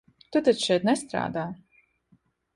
Tu taču šeit nestrādā?